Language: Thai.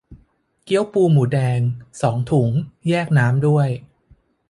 เกี๊ยวปูหมูแดง สองถุง แยกน้ำด้วย